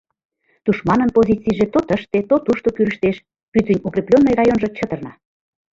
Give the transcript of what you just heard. Тушманын позицийже то тыште, то тушто кӱрыштеш, пӱтынь укрепленный районжо чытырна.